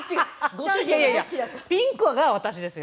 ピンクが私ですよ。